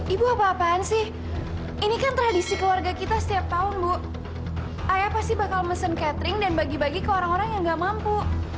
ibu apa apaan sih ini kan tradisi keluarga kita setiap tahun bu ayah pasti bakal mesen catering dan bagi bagi ke orang orang yang gak mampu